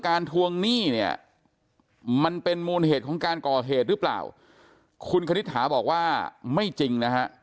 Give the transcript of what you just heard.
ทวงหนี้เนี่ยมันเป็นมูลเหตุของการก่อเหตุหรือเปล่าคุณคณิตหาบอกว่าไม่จริงนะฮะ